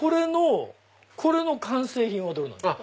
これの完成品はどれなんですか？